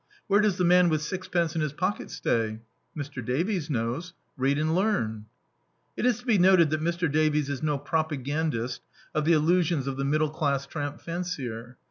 Where does the man with sixpence In his pocket stay? Mr. Davies knows. Read and learn. It is to be noted that Mr. Davies is no propa gandist of the Illusions of the middle class tramp fancier.